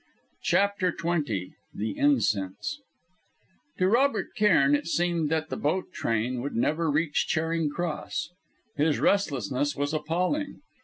CHAPTER XX THE INCENSE To Robert Cairn it seemed that the boat train would never reach Charing Cross. His restlessness was appalling.